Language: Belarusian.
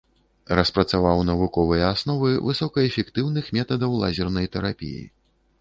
Распрацаваў навуковыя асновы высокаэфектыўных метадаў лазернай тэрапіі.